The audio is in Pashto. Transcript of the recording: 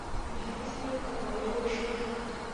د حدیث علم ته توجه وشوه.